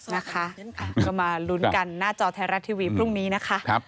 นะคะก็มาลุ้นกันหน้าจอไทยรัฐทีวีพรุ่งนี้นะคะ